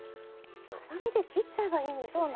はさみで切っちゃえばいいんですね。